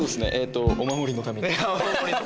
お守りのために。